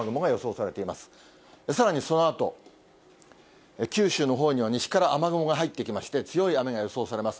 さらにそのあと、九州のほうには西から雨雲が入ってきまして、強い雨が予想されます。